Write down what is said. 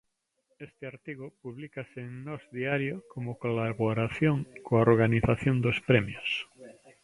Este artigo publícase en Nós Diario como colaboración coa organización dos Premios.